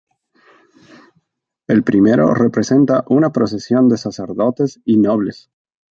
El primero representa una procesión de sacerdotes y nobles.